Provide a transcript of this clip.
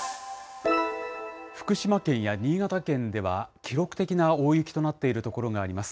福島県や新潟県では記録的な大雪となっている所があります。